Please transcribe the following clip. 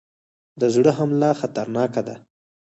د زړه حمله خطرناکه ده